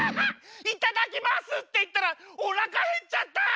「いただきます」っていったらおなかへっちゃった。